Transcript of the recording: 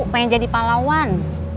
pengen jadi palawan